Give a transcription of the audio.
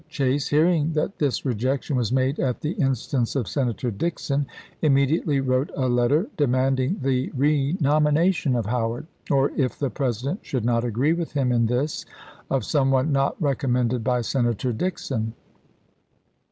Chase, hearing that this rejection was made at the instance of Senator Dixon, immediately wrote a letter de manding the renomination of Howard ; or, if the President should not agree with him in this, of some one not recommended by Senator Dixon.